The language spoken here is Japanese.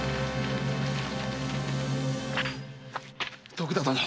⁉徳田殿！